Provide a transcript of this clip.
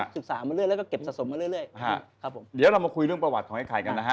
ศึกษามาเรื่อยแล้วก็เก็บสะสมมาเรื่อยครับผมเดี๋ยวเรามาคุยเรื่องประวัติของไอ้ไข่กันนะฮะ